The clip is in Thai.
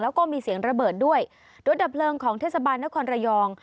แล้วก็มีเสียงระเบิดด้วยรถดับเพลิงของเทศบาลนครระยอง